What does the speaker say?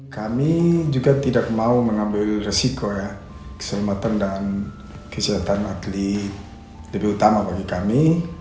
kami juga tidak mau mengambil resiko ya keselamatan dan kesehatan agli lebih utama bagi kami